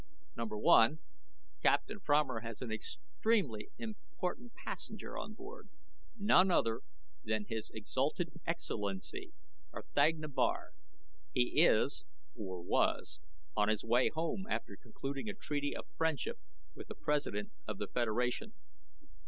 Number one, Captain Fromer has an extremely important passenger aboard. None other than His Exalted Excellency, R'thagna Bar. He is or was on his way home after concluding a treaty of friendship with the President of the Federation."